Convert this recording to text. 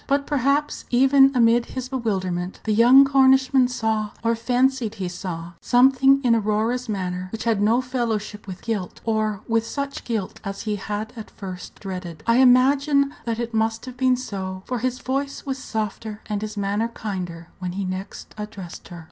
But perhaps, even amid his bewilderment, the young Cornishman saw, or fancied he saw, something in Aurora's manner which had no fellowship with guilt, or with such guilt as he had at first dreaded. I imagine that it must have been so, for his voice was softer and his manner kinder when he next addressed her.